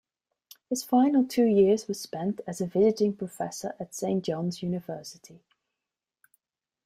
His final two years were spent as a visiting professor at Saint John's University.